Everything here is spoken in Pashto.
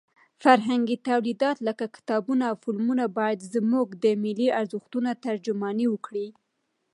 فرهنګي تولیدات لکه کتابونه او فلمونه باید زموږ د ملي ارزښتونو ترجماني وکړي.